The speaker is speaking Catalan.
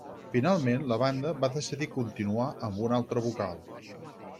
Finalment la banda va decidir continuar amb un altre vocal.